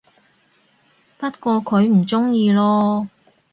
不過佢唔鍾意囉